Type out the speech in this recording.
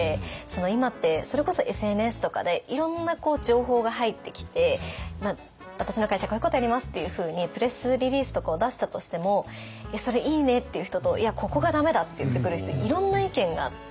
今ってそれこそＳＮＳとかでいろんな情報が入ってきて私の会社こういうことやりますっていうふうにプレスリリースとかを出したとしても「それいいね」って言う人と「いやここが駄目だ」って言ってくる人いろんな意見があって。